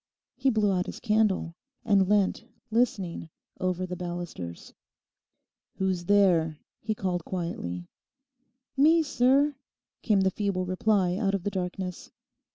He blew out his candle and leant listening over the balusters. 'Who's there?' he called quietly. 'Me, sir,' came the feeble reply out of the darkness.